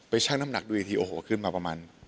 ชั่งน้ำหนักดูอีกทีโอ้โหขึ้นมาประมาณ